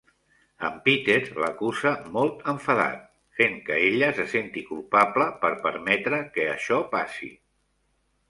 En Peter l'acusa molt enfadat, fent que ella se senti culpable per permetre que això passi.